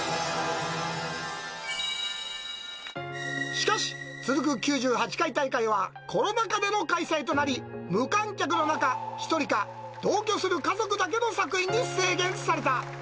しかし、続く９８回大会はコロナ禍での開催となり、無観客の中、１人か同居する家族だけの作品に制限された。